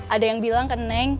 ada yang bilang ke neng